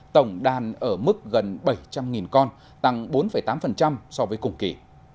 tổng đàn ở mức gần bảy trăm linh con tăng bốn tám so với cùng kỳ